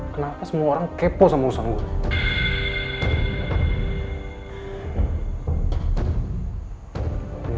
kenapa semua orang kepo sama urusan gue